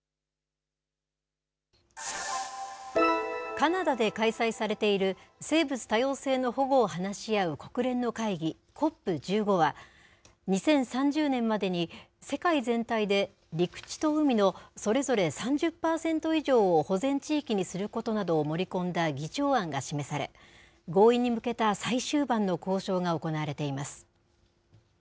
カナダで開催されている、生物多様性の保護を話し合う国連の会議、ＣＯＰ１５は、２０３０年までに、世界全体で陸地と海のそれぞれ３０％以上を保全地域にすることなどを盛り込んだ議長案が示され、合意に向けた最終盤の交渉が行われています。